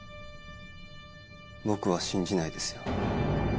僕は信じないですよ